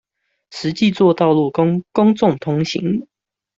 實際作道路供公眾通行